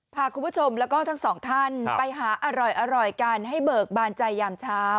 พาคุณผู้ชมแล้วก็ทั้งสองท่านไปหาอร่อยกันให้เบิกบานใจยามเช้า